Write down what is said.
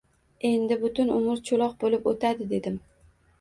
Endi butun umr choʻloq boʻlib oʻtadi, dedim.